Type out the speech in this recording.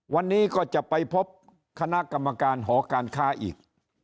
วันนี้ก็จะไปพบคณะกรรมการหอการค้าอีก